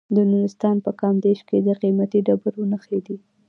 د نورستان په کامدیش کې د قیمتي ډبرو نښې دي.